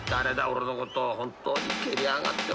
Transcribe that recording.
俺のことを本当に蹴りやがってまったく］